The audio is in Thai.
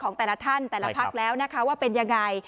ของแต่ละท่านแต่ละภักดิ์ว่าเป็นยังไง